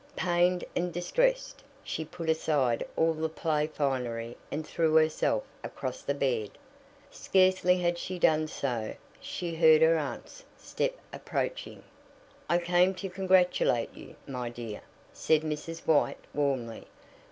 Pained and distressed, she put aside all the play finery and threw herself across the bed. Scarcely had she done so ere she heard her aunt's step approaching. "I came to congratulate you, my dear," said Mrs. White warmly.